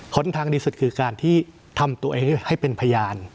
ทางดีสุดคือการที่ทำตัวเองให้เป็นพยาน